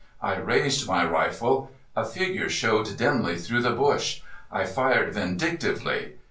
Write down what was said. I raised my rifle. A figure showed dimly through the bush. I fired vindictively.